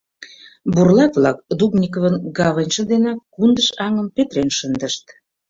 Бурлак-влак Дубниковын гаваньже денак Кундыш аҥым петырен шындышт.